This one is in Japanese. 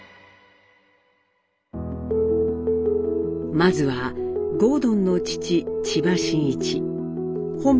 まずは郷敦の父・千葉真一本名